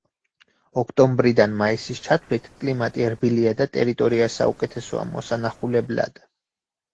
ოქტომბრიდან მაისის ჩათვლით კლიმატი რბილია და ტერიტორია საუკეთესოა მოსანახულებლად.